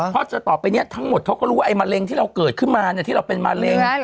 เพราะต่อไปนี้ทั้งหมดเขาก็รู้ว่าไอ้มะเร็งที่เราเกิดขึ้นมาที่เราเป็นมะเร็ง